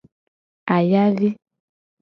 Ayavi.